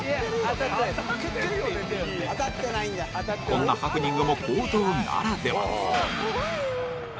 こんなハプニングも公道ならでは。